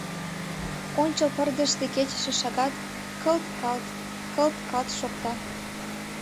Ончыл пырдыжыште кечыше шагат кылт-калт, кылт-калт шокта.